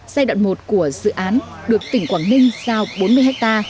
giai đoạn một của dự án được tỉnh quảng ninh giao bốn mươi ha